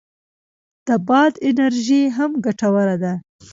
د باد انرژي هم ګټوره ده